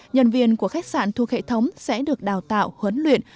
nhân viên của khách sạn thuộc hệ thống sẽ được đào tạo huấn luyện